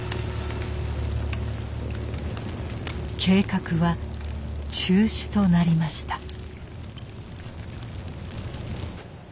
計画は中止となりました。